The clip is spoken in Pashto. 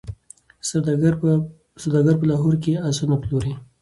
سوداګر په لاهور کي آسونه پلوري.